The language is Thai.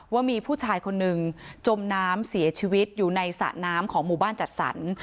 ว่ามีผู้ชายคนหนึ่งจมน้ำเสียชีวิตอยู่ในสระน้ำของหมู่บ้านจัดสรร